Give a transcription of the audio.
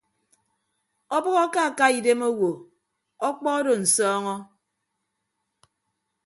Ọbʌk akaka idem owo ọkpọ odo nsọọñọ.